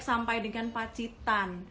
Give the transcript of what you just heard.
sampai dengan pacitan